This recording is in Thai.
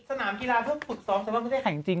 สนามกีฬาเพื่อฝึกซ้อมแต่ว่าไม่ได้แข่งจริง